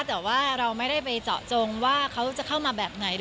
แต่ว่าเราไม่ได้ไปเจาะจงว่าเขาจะเข้ามาแบบไหน